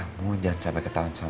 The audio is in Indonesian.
kamu jangan sampai ketahuan sama